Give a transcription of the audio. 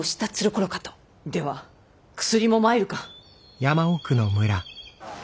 では薬も参るか。